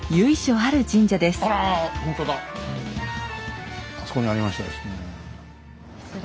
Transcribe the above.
あそこにありましたですね。